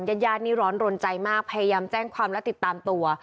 ญาติญาตินี่ร้อนรนใจมากพยายามแจ้งความและติดตามตัว